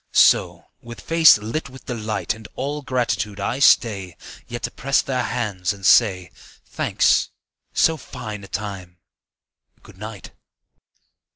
So, with face lit with delight And all gratitude, I stay Yet to press their hands and say, "Thanks. So fine a time ! Good night.